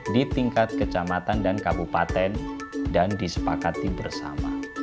di tingkat kecamatan dan kabupaten dan disepakati bersama